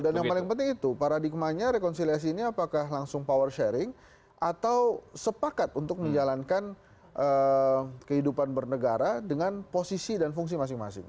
yang paling penting itu paradigmanya rekonsiliasi ini apakah langsung power sharing atau sepakat untuk menjalankan kehidupan bernegara dengan posisi dan fungsi masing masing